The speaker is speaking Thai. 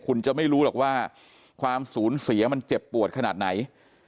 คุณจะไม่รู้หรอกว่าความสูญเสียมันเจ็บปวดขนาดไหน